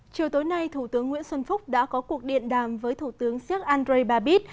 chiều tối nay thủ tướng nguyễn xuân phúc đã có cuộc điện đàm với thủ tướng sếp andre babit